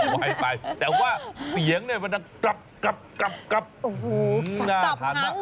ไว้ไปแต่ว่าเสียงเนี่ยมันดังกลับโอ้โหน่าทานมาก